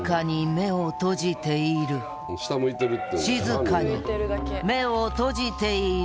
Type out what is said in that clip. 静かに、目を閉じている。